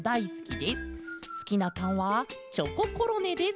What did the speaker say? すきなパンはチョココロネです。